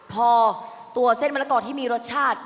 พอตัวเส้นมะละกอที่มีรสชาติ